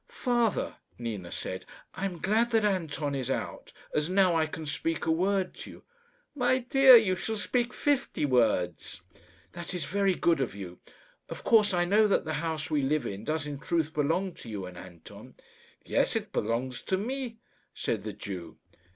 "Father," Nina said, "I am glad that Anton is out, as now I can speak a word to you." "My dear, you shall speak fifty words." "That is very good of you. Of course I know that the house we live in does in truth belong to you and Anton." "Yes, it belongs to me," said the Jew.